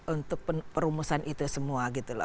untuk perumusan itu semua